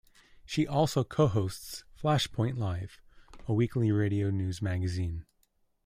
She also co-hosts "Flashpoint Live", a weekly radio news magazine.